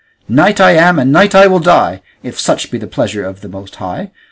Knight I am, and knight I will die, if such be the pleasure of the Most High.